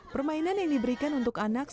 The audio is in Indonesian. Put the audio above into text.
permainan yang diberikan untuk anak